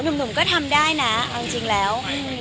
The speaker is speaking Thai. หนุ่มก็ทำได้นะเอาจริงแล้ว